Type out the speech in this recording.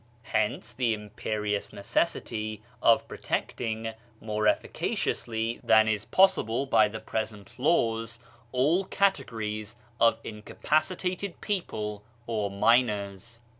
Hence the imperi ous necessity of protecting, more efficaci ously than is possible by the present laws, all categories of incapacitated people or minors.